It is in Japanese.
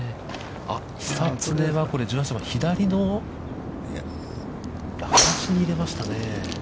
久常は１８番、左の林に入れましたね。